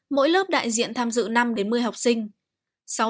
mỗi lớp đại diện tham dự năm một mươi học sinh